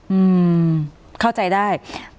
อืมเข้าใจได้